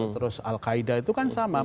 terus al qaeda itu kan sama